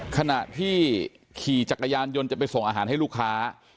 ขณะที่ขี่จักรยานยนต์จะไปส่งอาหารให้ลูกค้า